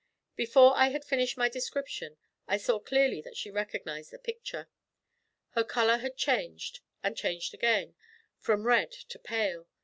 Before I had finished my description, I saw clearly that she recognised the picture. Her colour had changed and changed again, from red to pale.